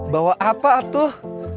bawa apa tuh